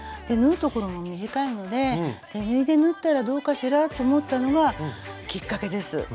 縫う所も短いので手縫いで縫ったらどうかしらと思ったのがきっかけです。